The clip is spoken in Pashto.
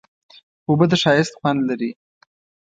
اوبه د ښایست خوند لري.